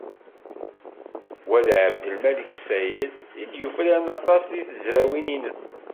Wa d Ɛebdelmalek Sayad,i d-yufraren aṭas deg tezrawin-ines.